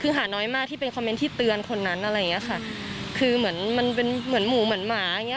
คือหาน้อยมากที่เป็นคอมเม้นท์ที่เตือนคนนั้นคือเหมือนหมูเหมือนหมา